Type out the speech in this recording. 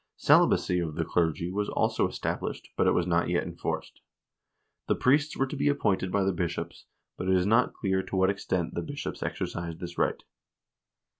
Celibacy of the clergy was also estab lished, but it was not yet enforced. The priests were to be appointed by the bishops, but it is not clear to what extent the bishops exercised this right.